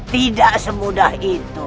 tidak semudah itu